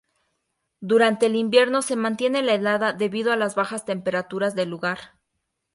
Durante el invierno se mantiene helada debido a las bajas temperaturas del lugar.